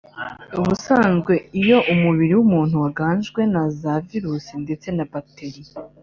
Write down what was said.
Ubusanzwe iyo umubiri w’umuntu waganjwe na za virus ndetse na bacterie